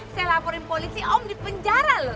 saya laporin polisi om di penjara loh